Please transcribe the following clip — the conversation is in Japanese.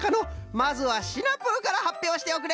まずはシナプーからはっぴょうしておくれ。